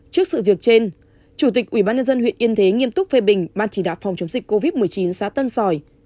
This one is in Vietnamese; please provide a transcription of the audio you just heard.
trước sự việc trên chủ tịch ubnd huyện yên thế nghiêm túc phê bình ban chỉ đạo phòng chống dịch covid một mươi chín xã tân sòi